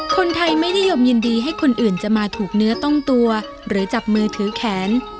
คนไทยไม่นิยมยินดีให้คนอื่นจะมาถูกเนื้อต้องตัวหรือจับมือถือแขน